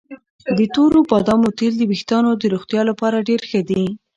د تور بادامو تېل د ویښتانو د روغتیا لپاره ډېر ښه دي.